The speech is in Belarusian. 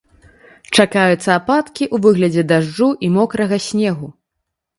Чакаюцца ападкі ў выглядзе дажджу і мокрага снегу.